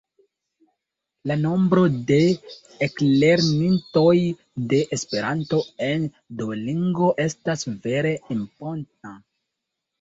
La nombro de eklernintoj de Esperanto en Duolingo estas vere impona!